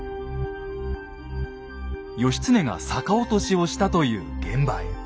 義経が逆落としをしたという現場へ。